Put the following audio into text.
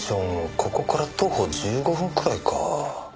ここから徒歩１５分くらいか。